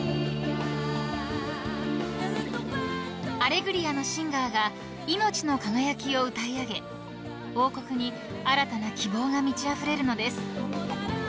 ［『アレグリア』のシンガーが命の輝きを歌い上げ王国に新たな希望が満ちあふれるのです］